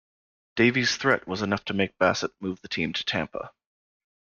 Davey's threat was enough to make Bassett move the team to Tampa.